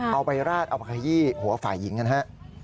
เอาไปราดเอาไปขยี้หัวฝ่ายหญิงกันฮะ